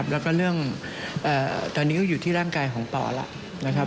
แล้วก็เรื่องตอนนี้ก็อยู่ที่ร่างกายของปอดแล้ว